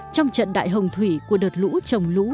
trong trận đại hồng thủy của đợt lũ trồng lũ